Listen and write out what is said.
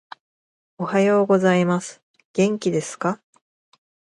おはようございます。元気ですか？